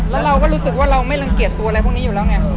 แล้วเราก็รู้สึกว่าเราไม่รังเกียจตัวอะไรพวกนี้อยู่แล้วไง